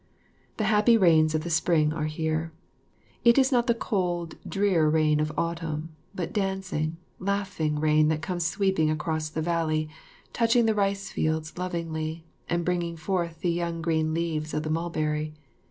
The happy rains of the spring are here. It is not the cold, drear rain of autumn, but dancing, laughing rain that comes sweeping across the valley, touching the rice fields lovingly, and bringing forth the young green leaves of the mulberry.